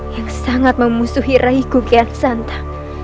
yang sangat memusuhi rahiku nimas rarasanta